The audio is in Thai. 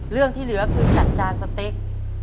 เพราะที่เหลือคือสัตว์จานสเต๊ก